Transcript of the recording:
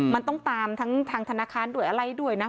มันต้องตามทั้งทางธนาคารด้วยอะไรด้วยนะคะ